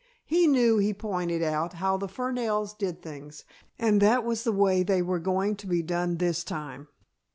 He knew, he pointed out, how the Fernells did things, and that was the way they were going to be done this time.